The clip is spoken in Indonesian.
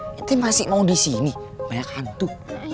nanti masih mau di sini banyak hantu